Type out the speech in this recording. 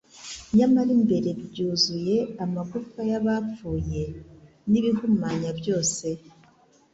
nyamara imbere byuzuye amagufa y'abapfuye n'ibihumanya byose."